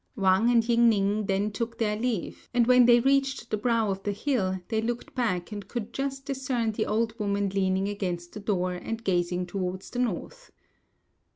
Wang and Ying ning then took their leave; and when they reached the brow of the hill, they looked back and could just discern the old woman leaning against the door and gazing towards the north.